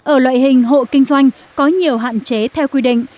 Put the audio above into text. ở loại hình hộ kinh doanh có nhiều hạn chế theo quy định